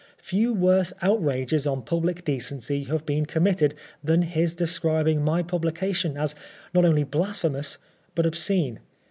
Few worse outrages on PBEPABIKG rOB TRIAL. 67 public decency have been committed than his de scribing my publication as not only blasphemous, but obscene.